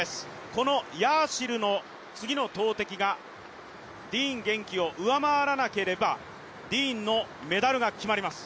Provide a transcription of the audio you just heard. このヤーシルの次の投てきがディーン元気を上回らなければディーンのメダルが決まります。